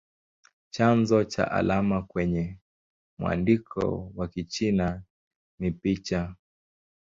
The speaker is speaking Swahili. Chanzo cha alama kwenye mwandiko wa Kichina ni picha.